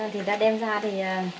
thì ta đem ra thì